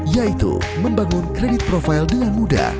yaitu membangun kredit profil dengan mudah